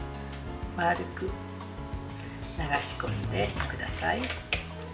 丸く、流し込んでください。